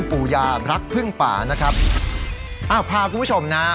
พาคุณผู้ชมนะ